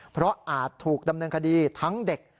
เพราะอาจถูกดำเนินคดีทั้งเด็ก